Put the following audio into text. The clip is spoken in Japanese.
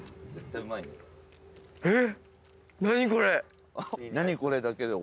えっ？